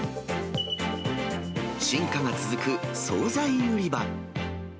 進化が続く総菜売り場。